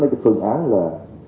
cái phương án là